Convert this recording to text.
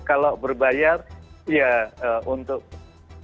kalau berbayar ya untuk kepentingan kita